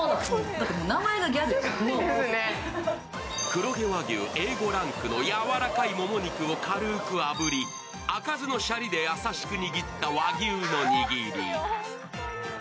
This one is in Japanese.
黒毛和牛Ａ５ランクのやわらかいもも肉を軽く炙り、赤酢のシャリで軽く握った和牛の握り。